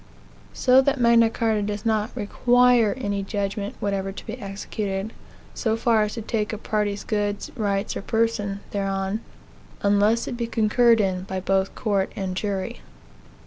So that Magna Carta does not require any judgment whatever to be executed so far as to take a party's goods, rights, or person, thereon unless it be concurred in by both court and jury.